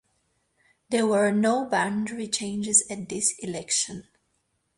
There were no boundary changes at this election.